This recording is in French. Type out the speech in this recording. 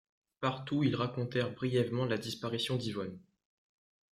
Partout ils racontèrent brièvement la disparition d'Yvonne.